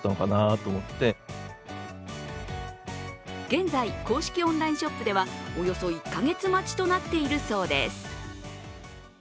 現在、公式オンラインショップではおよそ１カ月待ちとなっているそうです。